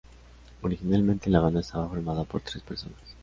Originalmente, la banda estaba formada por tres personas.